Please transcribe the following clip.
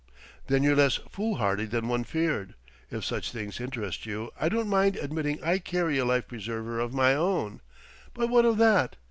"Then you're less foolhardy than one feared. If such things interest you, I don't mind admitting I carry a life preserver of my own. But what of that?